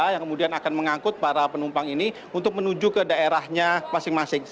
yang kemudian akan mengangkut para penumpang ini untuk menuju ke daerahnya masing masing